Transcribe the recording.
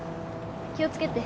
気をつけて。